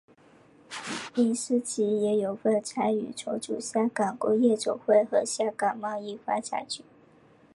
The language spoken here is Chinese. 林思齐也有份参与筹组香港工业总会和香港贸易发展局。